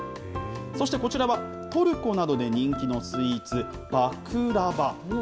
そしてこちらはトルコなどで人気のスイーツ、バクラバ。